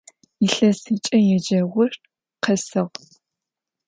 Илъэсыкӏэ еджэгъур къэсыгъ.